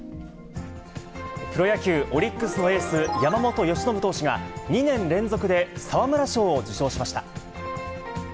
プロ野球・オリックスのエース、山本由伸投手が、２年連続で沢村賞を受賞しました。